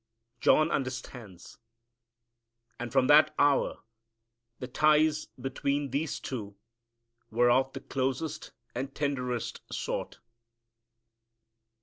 John understands, and from that hour the ties between these two were of the closest and tenderest sort.